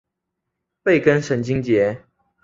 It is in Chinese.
背根神经节。